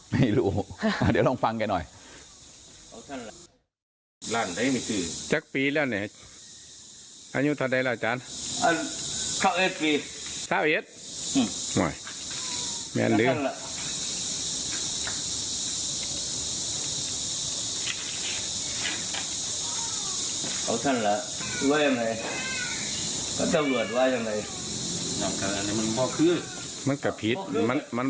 ไม่รู้เดี๋ยวลองฟังแกหน่อย